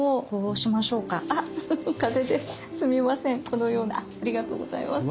このようなありがとうございます。